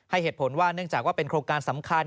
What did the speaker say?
เหตุผลว่าเนื่องจากว่าเป็นโครงการสำคัญ